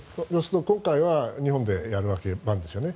今回は日本でやるわけなんですよね。